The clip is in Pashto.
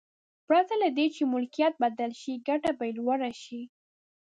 پرته له دې چې ملکیت بدل شي ګټه به یې لوړه شي.